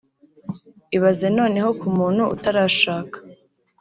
ibaze noneho ku muntu utarashaka